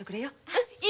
はい。